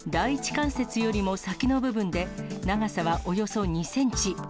関節よりも先の部分で長さはおよそ２センチ。